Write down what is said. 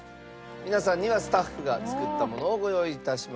皆さんにはスタッフが作ったものをご用意致しました。